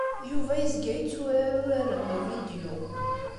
Yuba yezga yetturar uraren n uvidyu.